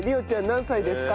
何歳ですか？